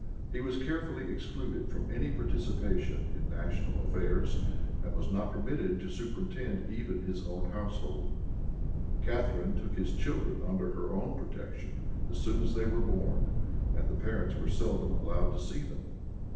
He was carefully excluded from any participation in national affairs and was not permitted to superintend even his own household. Catharine took his children under her own protection as soon as they were born, and the parents were seldom allowed to see them.